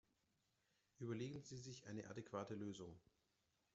Überlegen Sie sich eine adäquate Lösung!